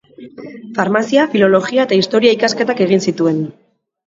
Farmazia, Filologia eta Historia ikasketak egin zituen.